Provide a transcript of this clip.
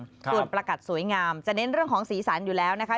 ส่วนประกัดสวยงามจะเน้นเรื่องของสีสันอยู่แล้วนะคะ